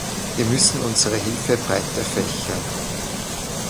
Wir müssen unsere Hilfe breiter fächern.